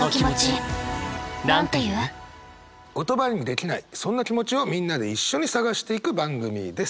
言葉にできないそんな気持ちをみんなで一緒に探していく番組です。